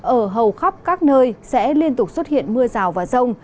ở hầu khắp các nơi sẽ liên tục xuất hiện mưa rào và rông